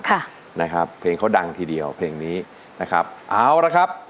ค่ะนะครับเพลงเขาดังทีเดียวเพลงนี้นะครับเอาละครับ